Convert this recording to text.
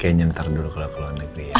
kayaknya ntar dulu keluar keluar negeri ya